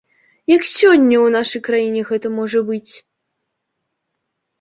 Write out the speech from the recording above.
Як сёння ў нашай краіне гэта можа быць?